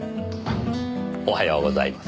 おはようございます。